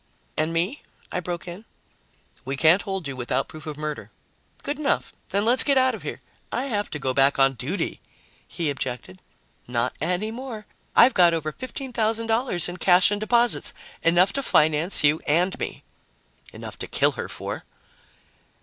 "And me?" I broke in. "We can't hold you without proof of murder." "Good enough. Then let's get out of here." "I have to go back on duty," he objected. "Not any more. I've got over $15,000 in cash and deposits enough to finance you and me." "Enough to kill her for."